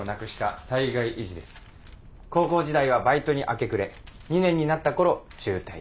高校時代はバイトに明け暮れ２年になった頃中退。